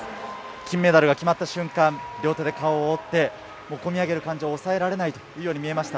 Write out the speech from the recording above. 金メダルが決まった瞬間、両手で顔を覆って、もうこみ上げる感情を抑えられないというように見えました。